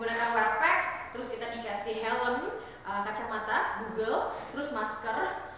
terus kita dikasih helm kacamata google terus masker